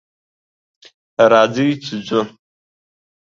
راځئ چې ځو!